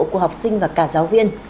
của học sinh và cả giáo viên